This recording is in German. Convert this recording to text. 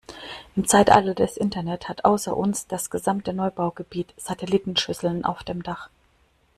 Im Zeitalter des Internet hat außer uns, das gesamte Neubaugebiet Satellitenschüsseln auf dem Dach.